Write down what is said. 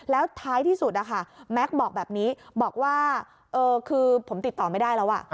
แล้วท้ายที่สุดนะคะแม็กซ์บอกแบบนี้บอกว่าคือผมติดต่อไม่ได้แล้ว